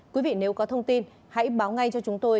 quý vị nếu có thông tin hãy báo ngay cho chúng tôi